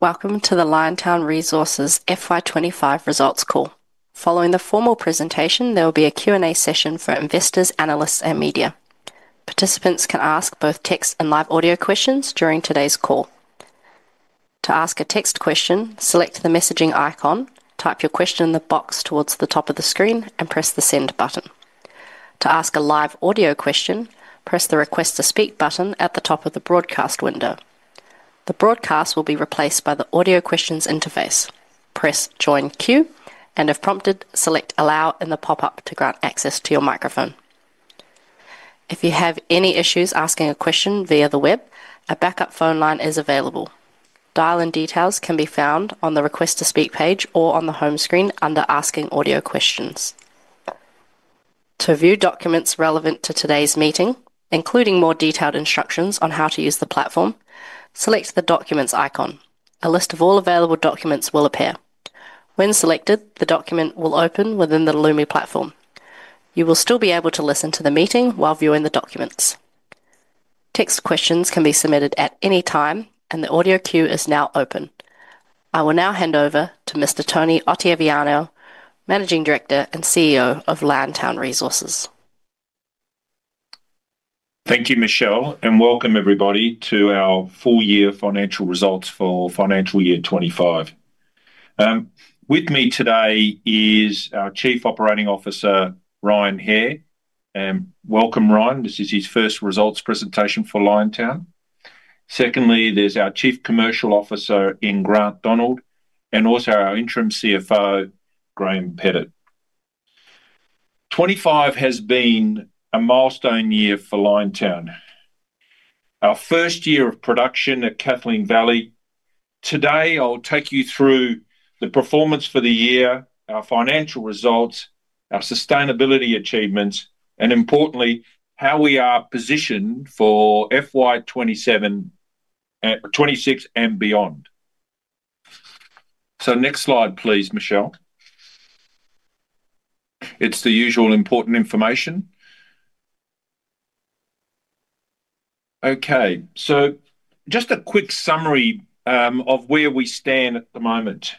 Welcome to the Liontown Resources FY25 results call. Following the formal presentation, there will be a Q&A session for investors, analysts, and media. Participants can ask both text and live audio questions during today's call. To ask a text question, select the messaging icon, type your question in the box towards the top of the screen, and press the send button. To ask a live audio question, press the request to speak button at the top of the broadcast window. The broadcast will be replaced by the audio questions interface. Press join queue, and if prompted, select allow in the pop-up to grant access to your microphone. If you have any issues asking a question via the web, a backup phone line is available. Dial-in details can be found on the request to speak page or on the home screen under asking audio questions. To view documents relevant to today's meeting, including more detailed instructions on how to use the platform, select the documents icon. A list of all available documents will appear. When selected, the document will open within the Lumi platform. You will still be able to listen to the meeting while viewing the documents. Text questions can be submitted at any time, and the audio queue is now open. I will now hand over to Mr. Tony Ottaviano, Managing Director and CEO of Liontown Resources. Thank you, Michelle, and welcome everybody to our full-year financial results for financial year 2025. With me today is our Chief Operating Officer, Ryan Hare. Welcome, Ryan. This is his first results presentation for Liontown Resources. There is our Chief Commercial Officer, Grant Donald, and also our Interim CFO, Graeme Pettit. 2025 has been a milestone year for Liontown Resources, our first year of production at Kathleen Valley. Today, I'll take you through the performance for the year, our financial results, our sustainability achievements, and importantly, how we are positioned for FY2026 and beyond. Next slide, please, Michelle. It's the usual important information. Just a quick summary of where we stand at the moment.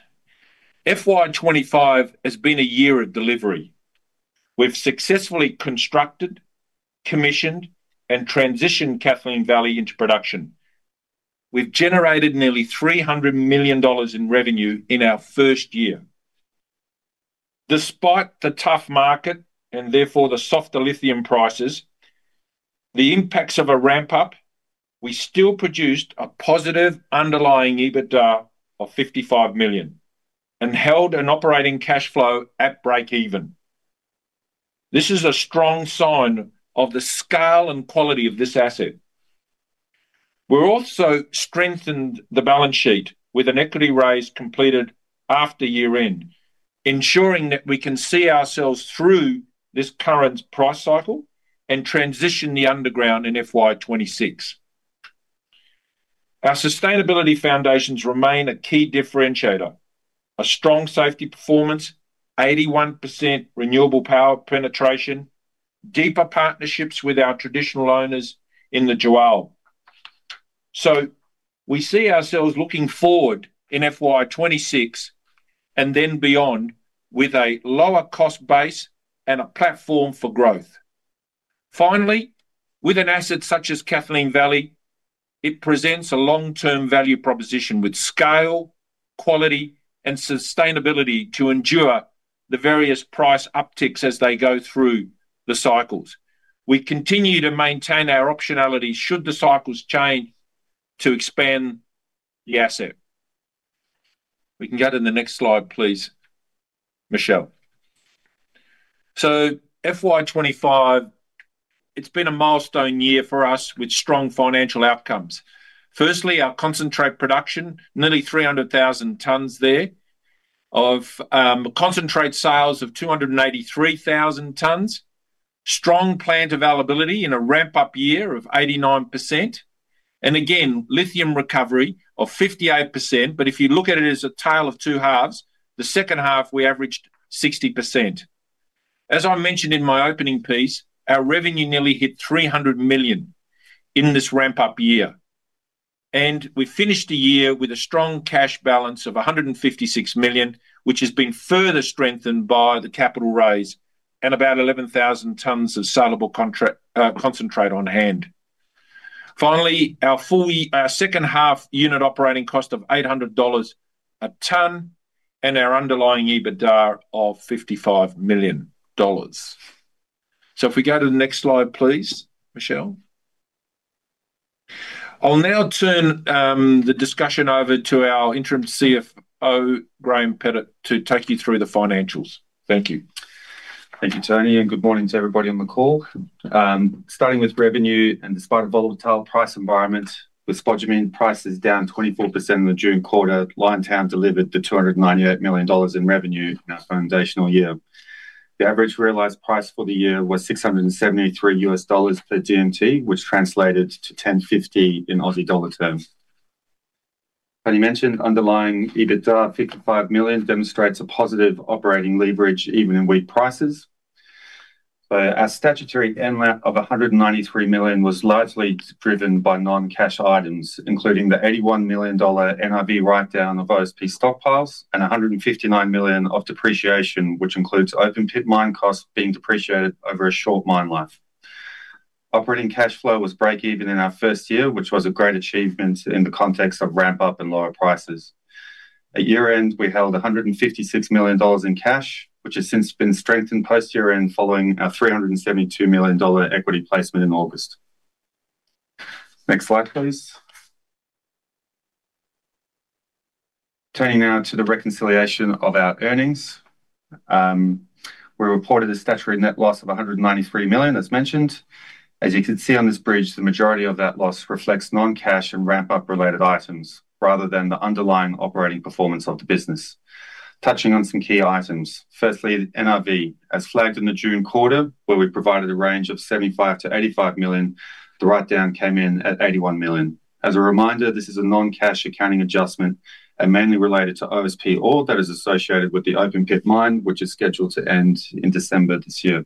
FY2025 has been a year of delivery. We've successfully constructed, commissioned, and transitioned Kathleen Valley into production. We've generated nearly $300 million in revenue in our first year. Despite the tough market and therefore the softer lithium prices, the impacts of a ramp-up, we still produced a positive underlying EBITDA of $55 million and held an operating cash flow at break-even. This is a strong sign of the scale and quality of this asset. We've also strengthened the balance sheet with an equity raise completed after year-end, ensuring that we can see ourselves through this current price cycle and transition the underground in FY2026. Our sustainability foundations remain a key differentiator: a strong safety performance, 81% renewable power penetration, deeper partnerships with our traditional owners in the Jowel. We see ourselves looking forward in FY2026 and then beyond with a lower cost base and a platform for growth. With an asset such as Kathleen Valley, it presents a long-term value proposition with scale, quality, and sustainability to endure the various price upticks as they go through the cycles. We continue to maintain our optionality should the cycles change to expand the asset. Next slide, please, Michelle. FY2025 has been a milestone year for us with strong financial outcomes. Firstly, our concentrate production, nearly 300,000 tons, concentrate sales of 283,000 tons, strong plant availability in a ramp-up year of 89%, and lithium recovery of 58%. If you look at it as a tale of two halves, the second half we averaged 60%. As I mentioned in my opening piece, our revenue nearly hit $300 million in this ramp-up year. We finished the year with a strong cash balance of $156 million, which has been further strengthened by the capital raise and about 11,000 tons of salable concentrate on hand. Our second half unit operating cost of $800 a ton and our underlying EBITDA of $55 million. Next slide, please, Michelle. I'll now turn the discussion over to our Interim CFO, Graeme Pettit, to take you through the financials. Thank you. Thank you, Tony, and good morning to everybody on the call. Starting with revenue, and despite a volatile price environment with spodumene prices down 24% in the June quarter, Liontown Resources delivered $298 million in revenue in our foundational year. The average realized price for the year was $673 USD per DMT, which translated to $10.50 in Aussie dollar terms. Tony mentioned underlying EBITDA of $55 million demonstrates a positive operating leverage even in weak prices. Our statutory net loss of $193 million was largely driven by non-cash items, including the $81 million NRV write-down of OSP stockpiles and $159 million of depreciation, which includes open pit mine costs being depreciated over a short mine life. Operating cash flow was break-even in our first year, which was a great achievement in the context of ramp-up and lower prices. At year-end, we held $156 million in cash, which has since been strengthened post-year-end following our $372 million equity placement in August. Next slide, please. Turning now to the reconciliation of our earnings, we reported a statutory net loss of $193 million as mentioned. As you can see on this bridge, the majority of that loss reflects non-cash and ramp-up related items rather than the underlying operating performance of the business. Touching on some key items, firstly, NRV, as flagged in the June quarter, where we provided a range of $75 million to $85 million, the write-down came in at $81 million. As a reminder, this is a non-cash accounting adjustment and mainly related to OSP ore that is associated with the open pit mine, which is scheduled to end in December this year.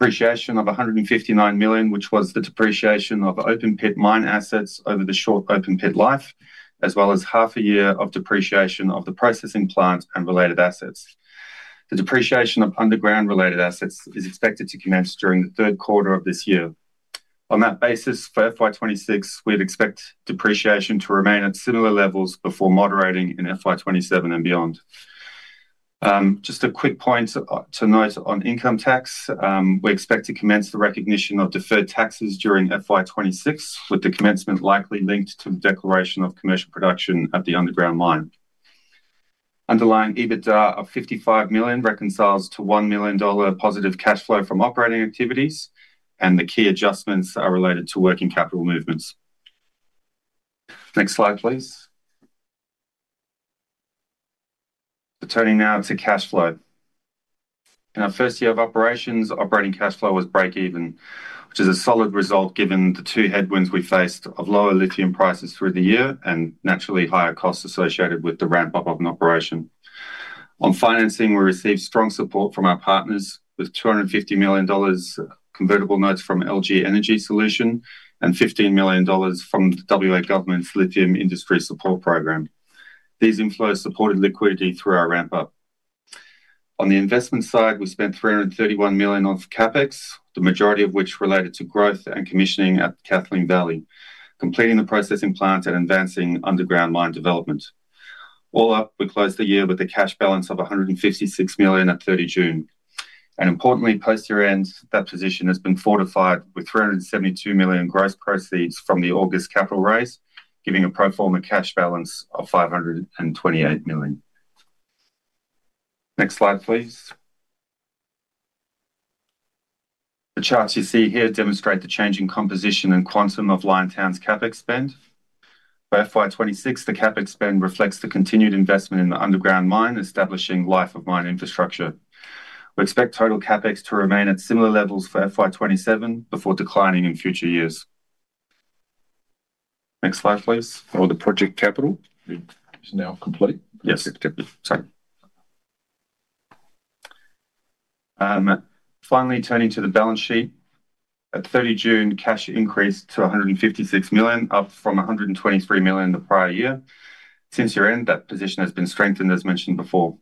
Depreciation of $159 million, which was the depreciation of open pit mine assets over the short open pit life, as well as half a year of depreciation of the processing plant and related assets. The depreciation of underground related assets is expected to commence during the third quarter of this year. On that basis, for FY2026, we expect depreciation to remain at similar levels before moderating in FY2027 and beyond. Just a quick point to note on income tax, we expect to commence the recognition of deferred taxes during FY2026, with the commencement likely linked to the declaration of commercial production at the underground mine. Underlying EBITDA of $55 million reconciles to $1 million positive cash flow from operating activities, and the key adjustments are related to working capital movements. Next slide, please. Turning now to cash flow. In our first year of operations, operating cash flow was break-even, which is a solid result given the two headwinds we faced of lower lithium prices through the year and naturally higher costs associated with the ramp-up of an operation. On financing, we received strong support from our partners with $250 million convertible notes from LG Energy Solution and $15 million from the WA Government's Lithium Industry Support Program. These inflows supported liquidity through our ramp-up. On the investment side, we spent $331 million on CapEx, the majority of which related to growth and commissioning at Kathleen Valley, completing the processing plant and advancing underground mine development. All up, we closed the year with a cash balance of $156 million at 30 June. Importantly, post-year end, that position has been fortified with $372 million gross proceeds from the August capital raise, giving a pro forma cash balance of $528 million. Next slide, please. The charts you see here demonstrate the changing composition and quantum of Liontown's CapEx spend. For FY26, the CapEx spend reflects the continued investment in the underground mine, establishing life of mine infrastructure. We expect total CapEx to remain at similar levels for FY27 before declining in future years. Next slide, please. The project capital is now complete. Yes, finally turning to the balance sheet. At 30 June, cash increased to $156 million, up from $123 million the prior year. Since year-end, that position has been strengthened, as mentioned before.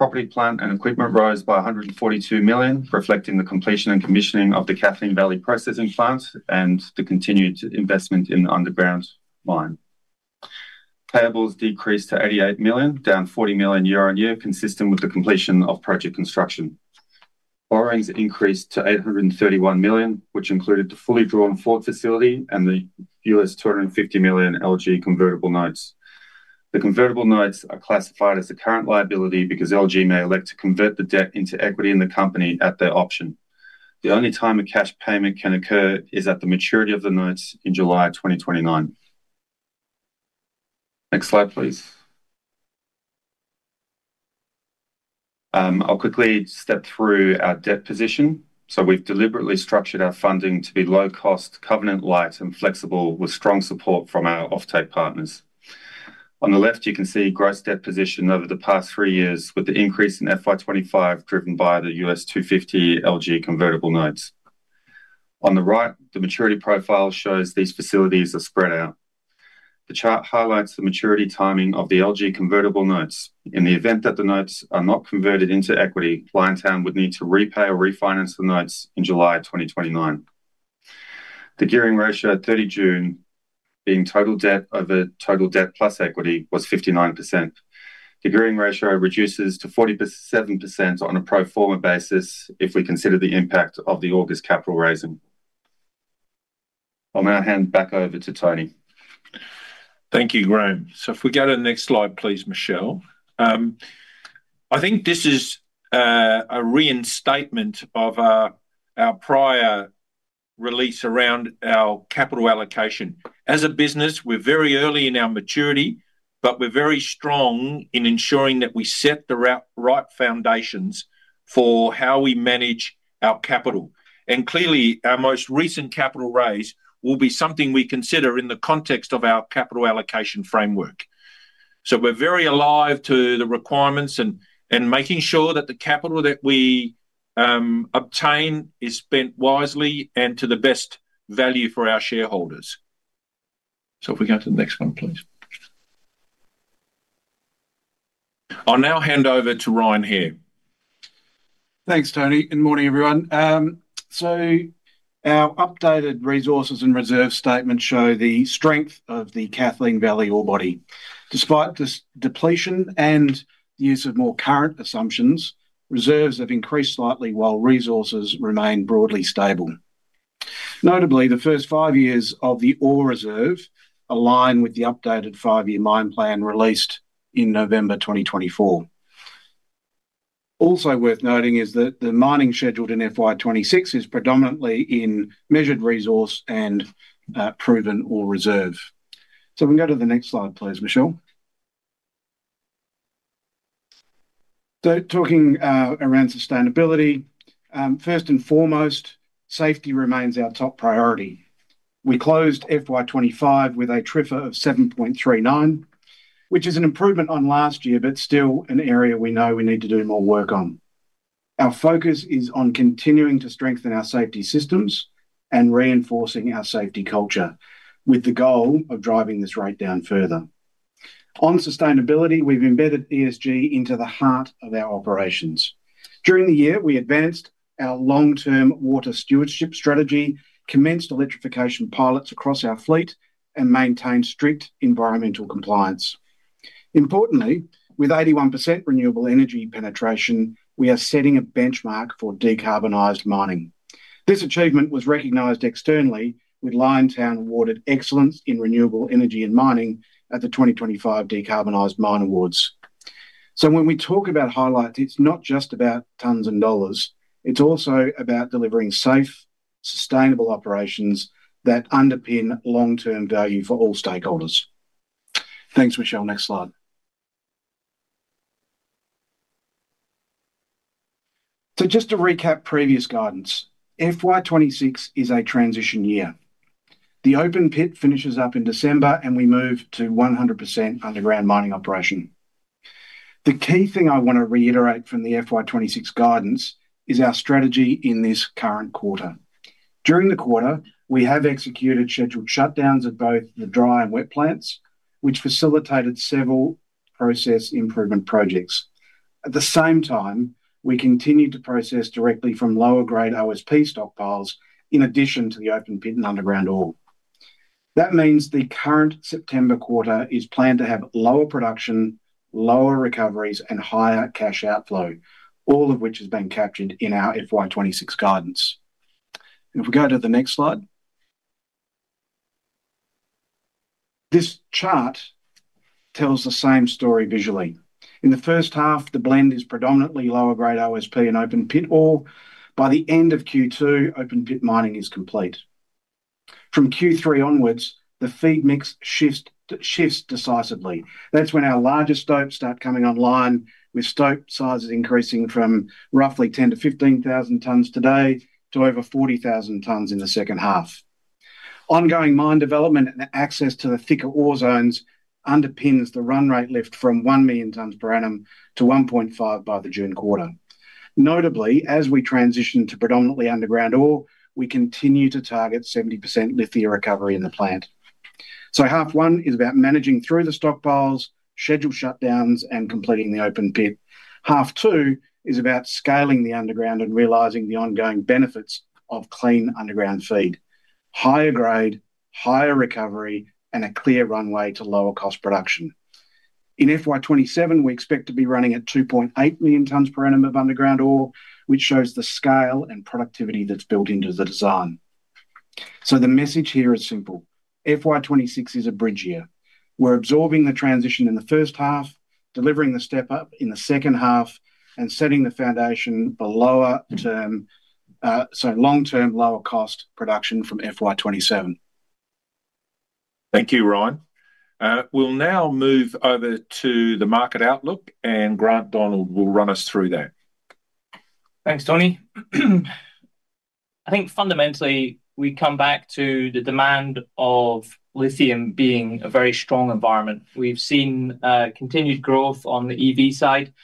Property, plant, and equipment rose by $142 million, reflecting the completion and commissioning of the Kathleen Valley processing plant and the continued investment in the underground mine. Payables decreased to $88 million, down $40 million year-on-year, consistent with the completion of project construction. Borrowings increased to $831 million, which included the fully drawn Ford facility and the US $250 million LG convertible notes. The convertible notes are classified as a current liability because LG may elect to convert the debt into equity in the company at their option. The only time a cash payment can occur is at the maturity of the notes in July 2029. Next slide, please. I'll quickly step through our debt position. We've deliberately structured our funding to be low-cost, covenant light, and flexible, with strong support from our off-take partners. On the left, you can see gross debt position over the past three years with the increase in FY25 driven by the US $250 million LG convertible notes. On the right, the maturity profile shows these facilities are spread out. The chart highlights the maturity timing of the LG convertible notes. In the event that the notes are not converted into equity, Liontown would need to repay or refinance the notes in July 2029. The gearing ratio at 30 June, being total debt over total debt plus equity, was 59%. The gearing ratio reduces to 47% on a pro forma basis if we consider the impact of the August capital raising. On our hand, back over to Tony. Thank you, Graeme. If we go to the next slide, please, Michelle. I think this is a reinstatement of our prior release around our capital allocation. As a business, we're very early in our maturity, but we're very strong in ensuring that we set the right foundations for how we manage our capital. Clearly, our most recent capital raise will be something we consider in the context of our capital allocation framework. We're very alive to the requirements and making sure that the capital that we obtain is spent wisely and to the best value for our shareholders. If we go to the next one, please. I'll now hand over to Ryan Hare. Thanks, Tony. Good morning, everyone. Our updated resources and reserve statements show the strength of the Kathleen Valley ore body. Despite depletion and use of more current assumptions, reserves have increased slightly while resources remain broadly stable. Notably, the first five years of the ore reserve align with the updated five-year mine plan released in November 2024. Also worth noting is that the mining scheduled in FY26 is predominantly in measured resource and proven ore reserve. We can go to the next slide, please, Michelle. Talking around sustainability, first and foremost, safety remains our top priority. We closed FY25 with a TRIFA of 7.39, which is an improvement on last year, but still an area we know we need to do more work on. Our focus is on continuing to strengthen our safety systems and reinforcing our safety culture, with the goal of driving this rate down further. On sustainability, we've embedded ESG into the heart of our operations. During the year, we advanced our long-term water stewardship strategy, commenced electrification pilots across our fleet, and maintained strict environmental compliance. Importantly, with 81% renewable energy penetration, we are setting a benchmark for decarbonized mining. This achievement was recognized externally, with Liontown Resources awarded excellence in renewable energy and mining at the 2025 Decarbonized Mine Awards. When we talk about highlights, it's not just about tons and dollars. It's also about delivering safe, sustainable operations that underpin long-term value for all stakeholders. Thanks, Michelle. Next slide. Just to recap previous guidance, FY26 is a transition year. The open pit finishes up in December and we move to 100% underground mining operation. The key thing I want to reiterate from the FY26 guidance is our strategy in this current quarter. During the quarter, we have executed scheduled shutdowns at both the dry and wet plants, which facilitated several process improvement projects. At the same time, we continue to process directly from lower-grade OSP stockpiles in addition to the open pit and underground ore. That means the current September quarter is planned to have lower production, lower recoveries, and higher cash outflow, all of which has been captured in our FY26 guidance. If we go to the next slide, this chart tells the same story visually. In the first half, the blend is predominantly lower-grade OSP and open pit ore. By the end of Q2, open pit mining is complete. From Q3 onwards, the feed mix shifts decisively. That's when our larger stopes start coming online, with stope sizes increasing from roughly 10,000 to 15,000 tons today to over 40,000 tons in the second half. Ongoing mine development and access to the thicker ore zones underpins the run rate lift from 1 million tons per annum to 1.5 by the June quarter. Notably, as we transition to predominantly underground ore, we continue to target 70% lithium recovery in the plant. Half one is about managing through the stockpiles, scheduled shutdowns, and completing the open pit. Half two is about scaling the underground and realizing the ongoing benefits of clean underground feed, higher grade, higher recovery, and a clear runway to lower cost production. In FY27, we expect to be running at 2.8 million tons per annum of underground ore, which shows the scale and productivity that's built into the design. The message here is simple. FY26 is a bridge year. We're absorbing the transition in the first half, delivering the step up in the second half, and setting the foundation for long-term lower cost production from FY27. Thank you, Ryan. We'll now move over to the market outlook, and Grant Donald will run us through that. Thanks, Tony. I think fundamentally, we'd come back to the demand of lithium being a very strong environment. We've seen continued growth on the EV side.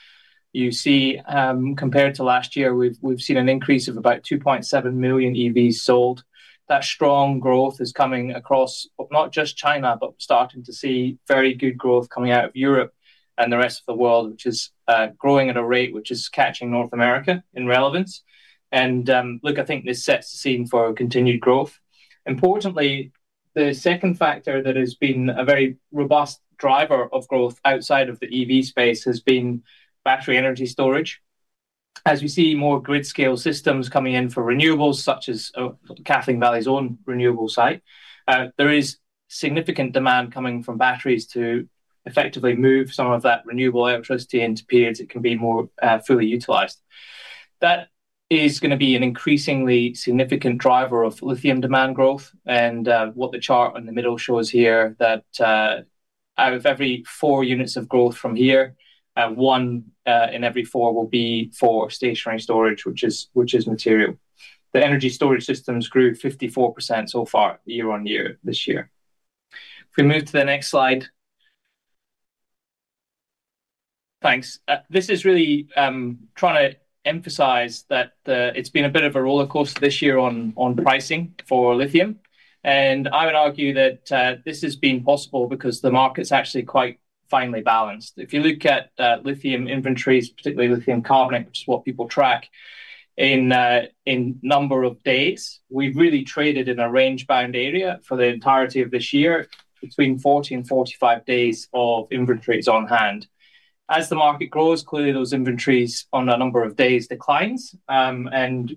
You see, compared to last year, we've seen an increase of about 2.7 million EVs sold. That strong growth is coming across not just China, but starting to see very good growth coming out of Europe and the rest of the world, which is growing at a rate which is catching North America in relevance. I think this sets the scene for continued growth. Importantly, the second factor that has been a very robust driver of growth outside of the EV space has been battery energy storage. As we see more grid-scale systems coming in for renewables, such as Kathleen Valley's own renewable site, there is significant demand coming from batteries to effectively move some of that renewable electricity into periods it can be more fully utilized. That is going to be an increasingly significant driver of lithium demand growth. What the chart in the middle shows here is that out of every four units of growth from here, one in every four will be for stationary storage, which is material. The energy storage systems grew 54% so far, year on year this year. If we move to the next slide. Thanks. This is really trying to emphasize that it's been a bit of a roller coaster this year on pricing for lithium. I would argue that this has been possible because the market's actually quite finely balanced. If you look at lithium inventories, particularly lithium carbonate, which is what people track in a number of days, we've really traded in a range-bound area for the entirety of this year, between 40 and 45 days of inventories on hand. As the market grows, clearly those inventories on a number of days decline.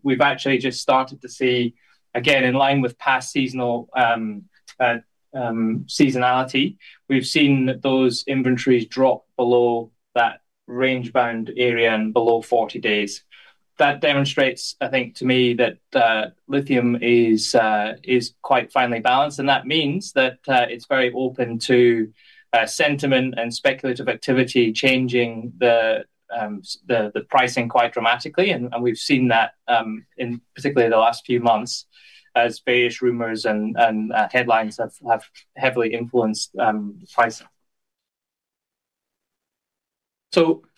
We've actually just started to see, again, in line with past seasonality, we've seen that those inventories drop below that range-bound area and below 40 days. That demonstrates, I think, to me that lithium is quite finely balanced. That means that it's very open to sentiment and speculative activity changing the pricing quite dramatically. We've seen that in particularly the last few months as beige rumors and headlines have heavily influenced the pricing.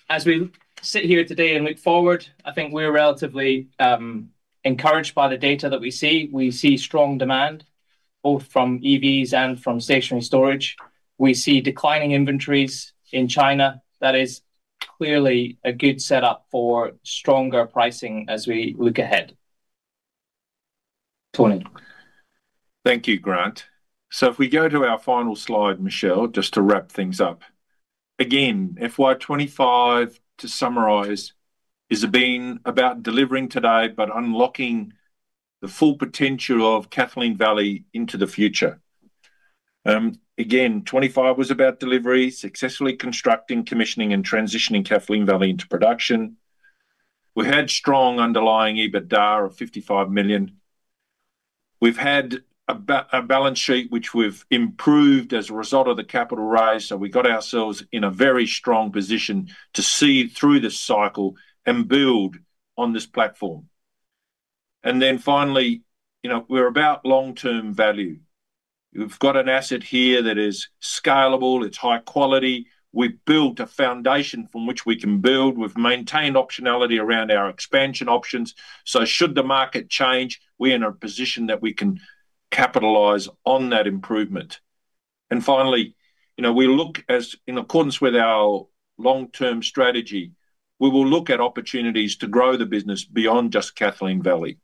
As we sit here today and look forward, I think we're relatively encouraged by the data that we see. We see strong demand both from EVs and from stationary storage. We see declining inventories in China. That is clearly a good setup for stronger pricing as we look ahead. Thank you, Grant. If we go to our final slide, Michelle, just to wrap things up. Again, FY2025, to summarize, has been about delivering today, but unlocking the full potential of Kathleen Valley into the future. Again, 2025 was about delivery, successfully constructing, commissioning, and transitioning Kathleen Valley into production. We had strong underlying EBITDA of $55 million. We've had a balance sheet which we've improved as a result of the capital raise. We got ourselves in a very strong position to see through this cycle and build on this platform. Finally, we're about long-term value. We've got an asset here that is scalable. It's high quality. We've built a foundation from which we can build. We've maintained optionality around our expansion options. Should the market change, we're in a position that we can capitalize on that improvement. Finally, as in accordance with our long-term strategy, we will look at opportunities to grow the business beyond just Kathleen Valley.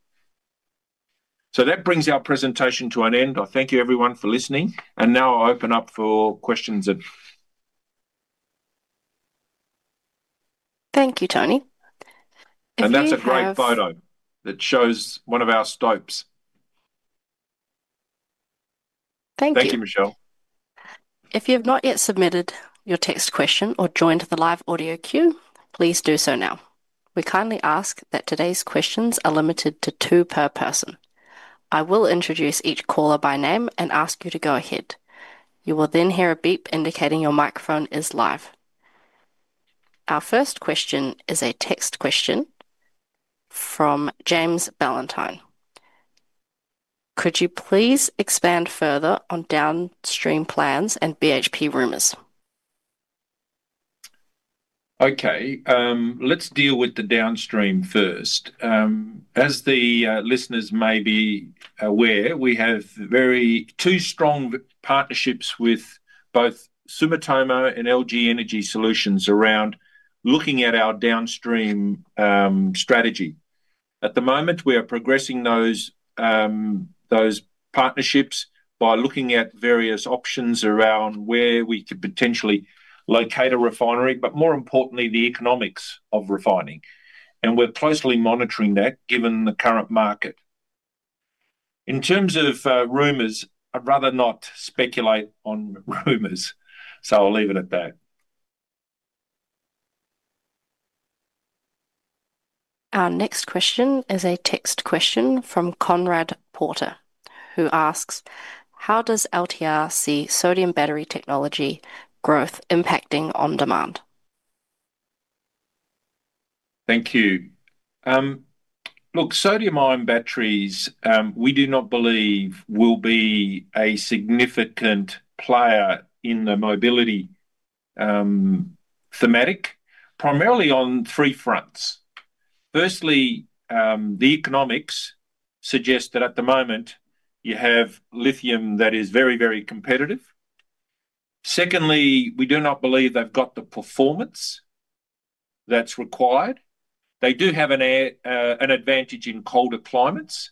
That brings our presentation to an end. I thank you, everyone, for listening. I now open up for questions. Thank you, Tony. That's a great photo that shows one of our stopes. Thank you. Thank you, Michelle. If you have not yet submitted your text question or joined the live audio queue, please do so now. We kindly ask that today's questions are limited to two per person. I will introduce each caller by name and ask you to go ahead. You will then hear a beep indicating your microphone is live. Our first question is a text question from James Valentine. Could you please expand further on downstream plans and BHP rumors? Okay, let's deal with the downstream first. As the listeners may be aware, we have two very strong partnerships with both Sumitomo and LG Energy Solution around looking at our downstream strategy. At the moment, we are progressing those partnerships by looking at various options around where we could potentially locate a refinery, but more importantly, the economics of refining. We're closely monitoring that given the current market. In terms of rumors, I'd rather not speculate on rumors. I'll leave it at that. Our next question is a text question from Conrad Porter, who asks, how does Liontown Resources see sodium battery technology growth impacting on demand? Thank you. Look, sodium-ion batteries, we do not believe will be a significant player in the mobility thematic, primarily on three fronts. Firstly, the economics suggest that at the moment you have lithium that is very, very competitive. Secondly, we do not believe they've got the performance that's required. They do have an advantage in colder climates,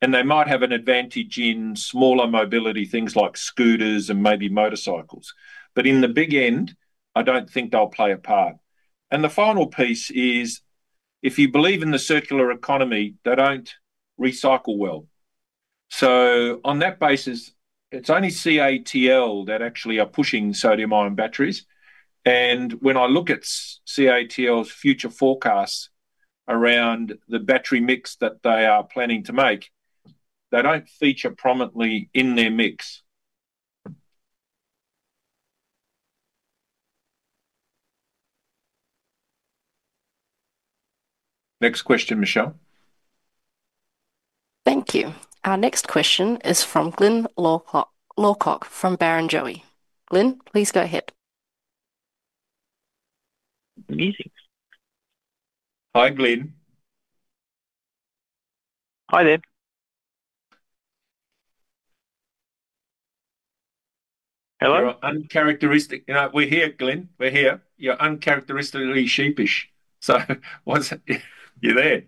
and they might have an advantage in smaller mobility, things like scooters and maybe motorcycles. In the big end, I don't think they'll play a part. The final piece is, if you believe in the circular economy, they don't recycle well. On that basis, it's only CATL that actually are pushing sodium-ion batteries. When I look at CATL's future forecasts around the battery mix that they are planning to make, they don't feature prominently in their mix. Next question, Michelle. Thank you. Our next question is from Glyn Lawcock from Barrenjoey. Glyn, please go ahead. Hi, Glyn! Hi there. Hello? You're uncharacteristic. We're here, Glyn. We're here. You're uncharacteristically sheepish. What's you there?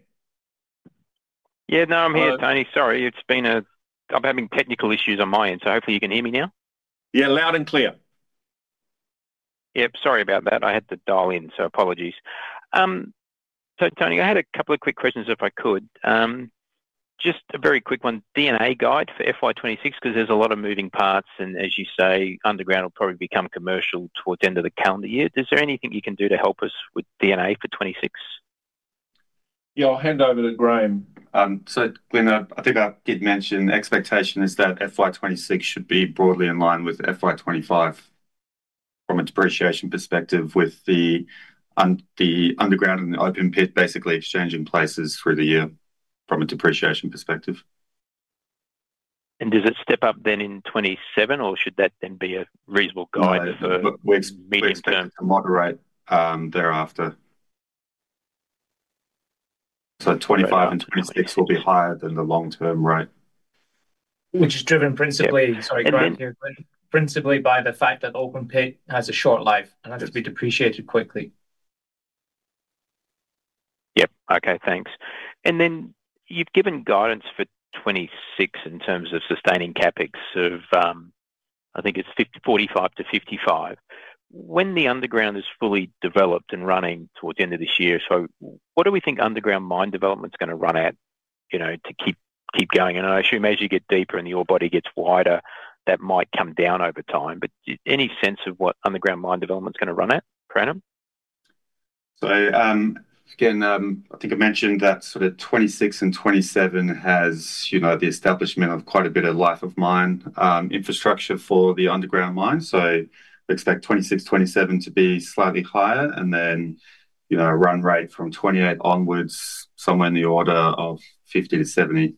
Yeah, no, I'm here, Tony. Sorry, I'm having technical issues on my end. Hopefully you can hear me now. Yeah, loud and clear. Sorry about that. I had to dial in, so apologies. Tony, I had a couple of quick questions if I could. Just a very quick one. D&A guide for FY26, because there's a lot of moving parts, and as you say, underground will probably become commercial towards the end of the calendar year. Is there anything you can do to help us with D&A for 26? Yeah, I'll hand over to Graeme. I did mention, the expectation is that FY2026 should be broadly in line with FY2025 from a depreciation perspective, with the underground and the open pit basically exchanging places through the year from a depreciation perspective. Does it step up then in 2027, or should that then be a reasonable guide? We expect to moderate thereafter. Twenty twenty-five and twenty twenty-six will be higher than the long-term rate. Which is driven principally. Sorry, Graham. Principally by the fact that the open pit has a short life and has to be depreciated quickly. Yep, okay, thanks. You've given guidance for 2026 in terms of sustaining CapEx of $45 million to $55 million. When the underground is fully developed and running towards the end of this year, what do we think underground mine development's going to run at to keep going? I assume as you get deeper and the ore body gets wider, that might come down over time. Any sense of what underground mine development's going to run at, Graeme? I think I mentioned that 2026 and 2027 have the establishment of quite a bit of life of mine infrastructure for the underground mine. I expect 2026 and 2027 to be slightly higher, and then a run rate from 2028 onwards, somewhere in the order of $50 million to $70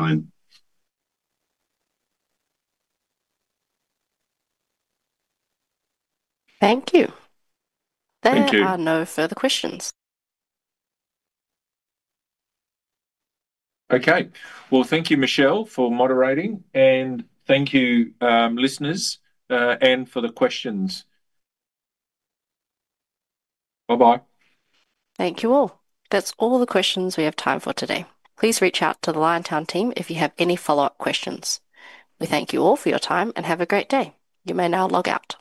million. Thank you. There are no further questions. Thank you, Michelle, for moderating, and thank you, listeners, and for the questions. Bye-bye. Thank you all. That's all the questions we have time for today. Please reach out to the Liontown team if you have any follow-up questions. We thank you all for your time and have a great day. You may now log out.